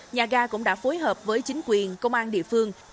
nhà ga cũng đã phối hợp với chính quyền công an địa phương